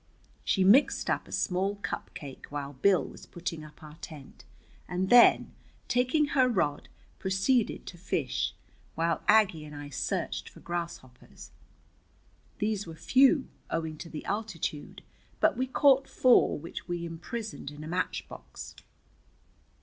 She mixed up a small cup cake while Bill was putting up our tent, and then, taking her rod, proceeded to fish, while Aggie and I searched for grasshoppers. These were few, owing to the altitude, but we caught four, which we imprisoned in a match box.